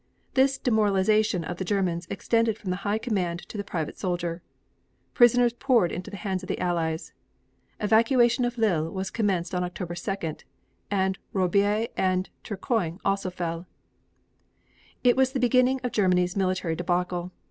This demoralization of the Germans extended from the High Command to the private soldier. Prisoners poured into the hands of the Allies. Evacuation of Lille was commenced on October 2d and Roubaix and Turcoing also fell. It was the beginning of Germany's military debacle.